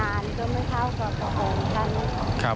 นานก็ไม่เท่ากับพระองค์ท่าน